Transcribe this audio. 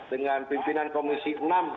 dengan pimpinan komisi enam